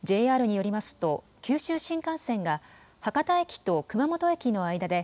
ＪＲによりますと、九州新幹線が博多駅と熊本駅の間で、